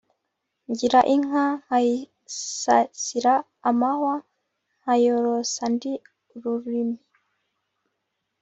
Ngira inka nkayisasira amahwa nkayorosa andi-Ururimi.